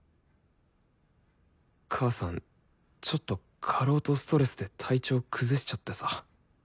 母さんちょっと過労とストレスで体調崩しちゃってさ。